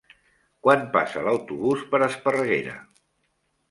Quan passa l'autobús per Esparreguera?